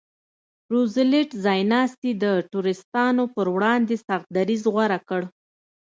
روزولټ ځایناستي د ټرستانو پر وړاندې سخت دریځ غوره کړ.